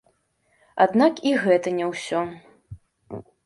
Аднак і гэта не ўсё.